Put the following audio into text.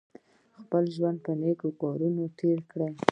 خپل ژوند په نېکو کارونو تېر کړئ.